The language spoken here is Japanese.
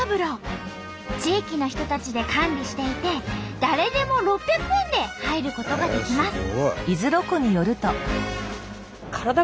地域の人たちで管理していて誰でも６００円で入ることができます。